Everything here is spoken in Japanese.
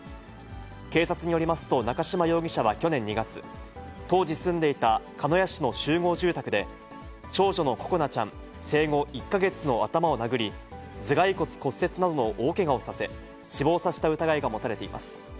警察によりますと、中島容疑者は去年２月、当時住んでいた鹿屋市の集合住宅で、長女の心絆ちゃん生後１か月の頭を殴り、頭蓋骨骨折などの大けがをさせ、死亡させた疑いが持たれています。